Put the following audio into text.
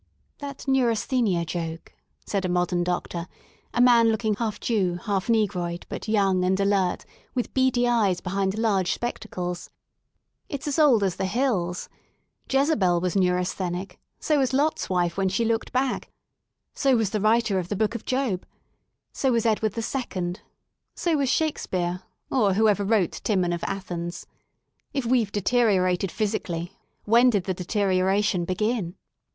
That Neurasthenia joke," said a modern doctor, a man looking half Jew, half negroid, but young and alert with beady eyes behind large spectacles, It's as old as the hills. Jezebel was Neurasthenic ; so was Lot's wife when she looked back ; so was the writer of the book of Job. So was Edward II; so was Shake speare, or whoever wrote *Timon of Athens.' If we've deteriorated physically, when did the deterioration begin?"